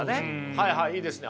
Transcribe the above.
はいはいいいですね。